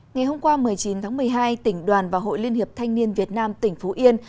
ngày hôm qua một mươi chín tháng một mươi hai tỉnh đoàn và hội liên hiệp thanh niên việt nam tỉnh phú yên